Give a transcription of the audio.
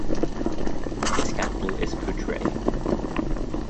Its capital is Putre.